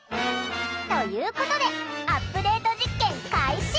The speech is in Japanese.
ということでアップデート実験開始！